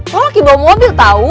lo lagi bawa mobil tau